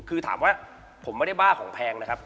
คือถามว่าผมไม่ได้บ้าของแพงนะครับ